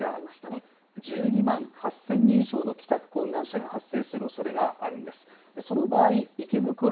こちら、１２万８０００人以上の帰宅困難者が発生するおそれがあるんです。